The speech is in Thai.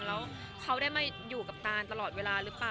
แล้วเขาได้มาอยู่กับตานตลอดเวลาหรือเปล่า